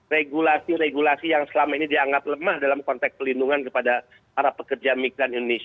regulasi regulasi yang selama ini dianggap lemah dalam konteks pelindungan kepada para pekerja migran indonesia